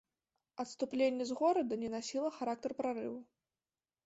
Адступленне з горада не насіла характар прарыву.